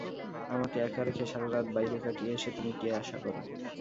আমাকে একা রেখে সারারাত বাইরে কাটিয়ে এসে তুমি কী আশা কর?